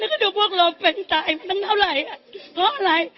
ก็ดูพวกเราเป็นตายมันเท่าไหร่อ่ะเพราะอะไร